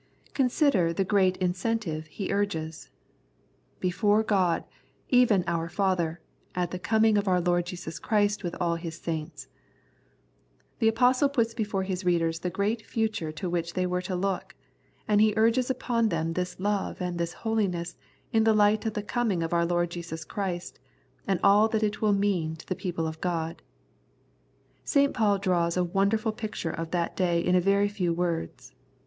Consider the great incentive he urges —" Before God, even our Father, at the coming of our Lord Jesus Christ with all His saints." The Apostle puts before his readers the great future to which they were to look, and he urges upon them this love and this holiness in the light of the coming of our Lord Jesus Christ, and all that it will mean to the people of God. St. Paul draws a wonderful picture of that day in a very few words.